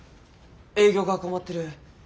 営業が困ってる。